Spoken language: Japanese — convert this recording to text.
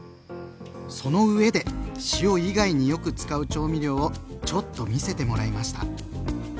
そのうえで塩以外によく使う調味料をちょっと見せてもらいました。